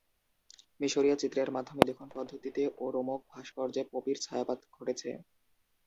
মিশরীয় চিত্রের মাধ্যমে লিখন পদ্ধতিতে ও রোমক ভাস্কর্যে পপির ছায়াপাত ঘটেছে।